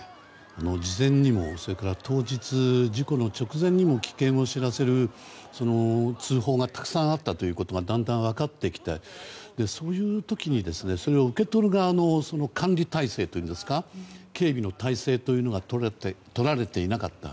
事前に、それから当日事故の直前にも危険を知らせる通報がたくさんあったということがだんだん分かってきてそういう時にそれを受け取る側の管理体制というんですか警備の態勢がとられていなかった。